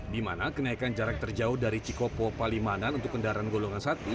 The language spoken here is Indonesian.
di mana kenaikan jarak terjauh dari cikopo palimanan untuk kendaraan golongan satu